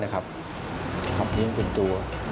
ครับเลี้ยงเป็นตัว